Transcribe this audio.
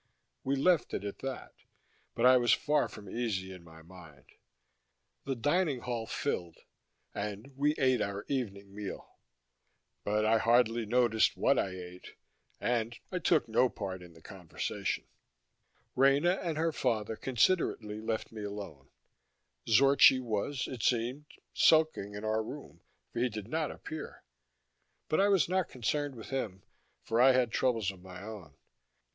We left it at that, but I was far from easy in my mind. The dining hall filled, and we ate our evening meal, but I hardly noticed what I ate and I took no part in the conversation. Rena and her father considerately left me alone; Zorchi was, it seemed, sulking in our room, for he did not appear. But I was not concerned with him, for I had troubles of my own.